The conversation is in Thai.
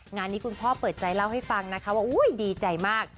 งานนี้คุณพ่อเปิดใจเล่าให้ฟังนะคะว่าดีใจมาก